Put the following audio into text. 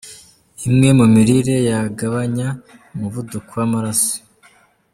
Imwe mu mirire yagabanya umuvuduko w’amaraso